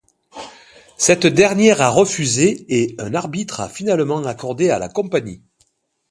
Cette dernière a refusé et un arbitre a finalement accordé à la compagnie.